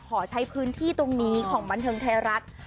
ขอใช้พื้นที่ตรงนี้ของบันเทิงไทยรัฐ